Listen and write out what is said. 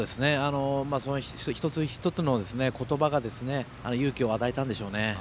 その一つ一つの言葉が勇気を与えたんでしょうね。